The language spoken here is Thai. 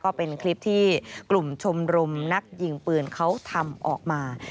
ก็เป็นคลิปที่กลุ่มชมรมนักยิงปืนเขาทำออกมา